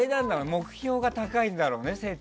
目標が高いんだろうね。